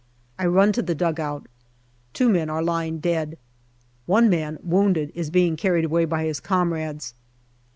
I run to the dugout. Two men are lying dead. One man, wounded, is being carried away by his comrades.